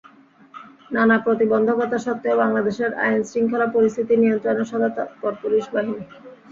নানা প্রতিবন্ধকতা সত্ত্বেও বাংলাদেশের আইন শৃঙ্খলা পরিস্থিতি নিয়ন্ত্রণে সদা তৎপর পুলিশ বাহিনী।